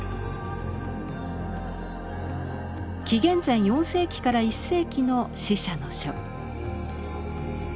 紀元前４世紀から１世紀の「死者の書」。